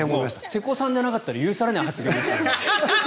瀬古さんじゃなかったら許されない発言ですね。